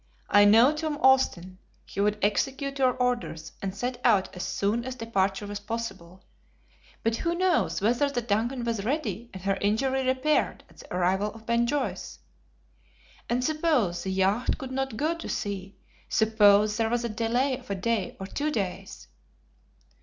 "I know Tom Austin. He would execute your orders, and set out as soon as departure was possible. But who knows whether the DUNCAN was ready and her injury repaired on the arrival of Ben Joyce. And suppose the yacht could not go to sea; suppose there was a delay of a day, or two days."